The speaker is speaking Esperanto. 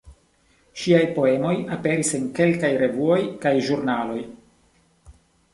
Ŝiaj poemoj aperis en kelkaj revuoj kaj ĵurnaloj.